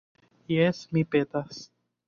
Jes, mi petas.